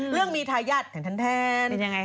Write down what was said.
เรื่องมีทายาทแทน